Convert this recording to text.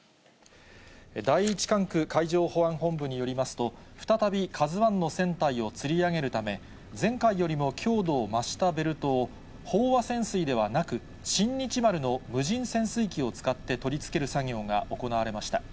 第１管区海上保安本部によりますと、再びＫＡＺＵＩの船体をつり上げるため、前回よりも強度を増したベルトを飽和潜水ではなく、新日丸の無人潜水機を使って取り付ける作業が行われました。